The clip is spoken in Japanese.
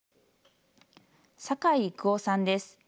酒井郁雄さんです。